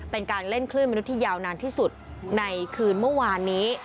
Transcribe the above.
เป็นการเล่นคลื่นมนุษย์ยาวนานที่สุดในคืนเมื่อวานนี้